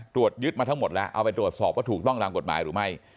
ตรวจยึดมาทั้งหมดแล้วเอาไปตรวจสอบว่าถูกต้องตามกฎหมายหรือไม่